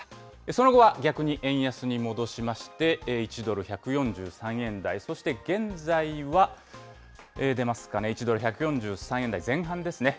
その後は逆に円安に戻しまして、１ドル１４３円台、そして現在は出ますかね、１ドル１４３円台前半ですね。